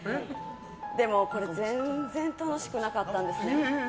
でも、これ全然楽しくなかったんです。